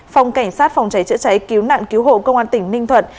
phòng cảnh sát phòng cháy chữa cháy cứu nạn cứu hộ công an tỉnh ninh thuận